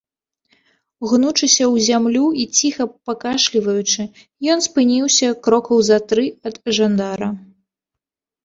Гнучыся ў зямлю і ціха пакашліваючы, ён спыніўся крокаў за тры ад жандара.